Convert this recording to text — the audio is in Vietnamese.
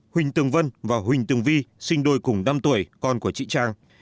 huỳnh tường vân và huỳnh tường vi sinh đôi cùng năm tuổi con của chị trang